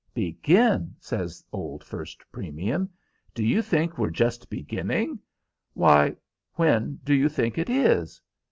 "Begin!" says old First Premium. "Do you think we're just beginning? Why, when do you think it is?"